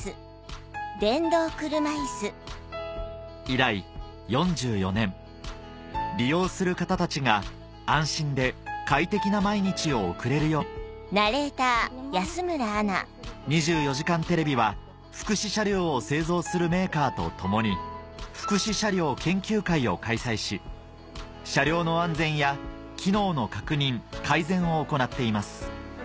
以来４４年利用する方たちが安心で快適な毎日を送れるように『２４時間テレビ』は福祉車両を製造するメーカーと共に福祉車両研究会を開催し車両の安全や機能の確認・改善を行っています